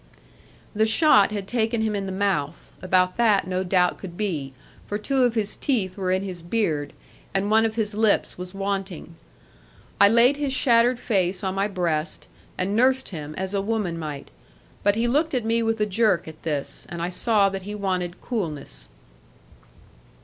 The shot had taken him in the mouth; about that no doubt could be, for two of his teeth were in his beard, and one of his lips was wanting. I laid his shattered face on my breast, and nursed him, as a woman might. But he looked at me with a jerk at this; and I saw that he wanted coolness.